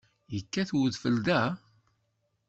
Yekkat-d udfel da?